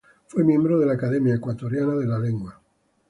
Fue miembro de la Academia Ecuatoriana de la Lengua.